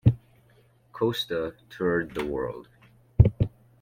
Costa toured the world.